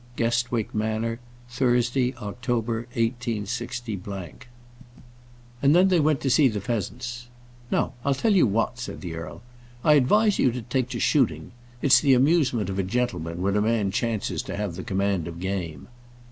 Guestwick Manor, Thursday, October, 186 . And then they went to see the pheasants. "Now, I'll tell you what," said the earl. "I advise you to take to shooting. It's the amusement of a gentleman when a man chances to have the command of game."